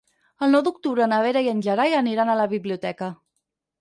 El nou d'octubre na Vera i en Gerai aniran a la biblioteca.